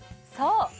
そう！